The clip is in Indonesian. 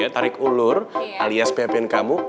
tarik ulur alias ppn kamu